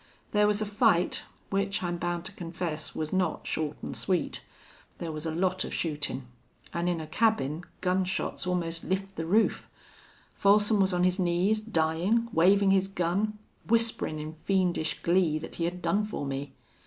There was a fight, which, I'm bound to confess, was not short an' sweet. There was a lot of shootin'. An' in a cabin gun shots almost lift the roof. Folsom was on his knees, dyin', wavin' his gun, whisperin' in fiendish glee that he had done for me.